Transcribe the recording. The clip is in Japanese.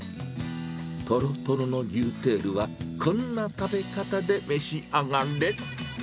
とろとろの牛テールは、こんな食べ方で召し上がれ。